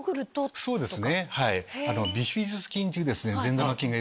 そうですね。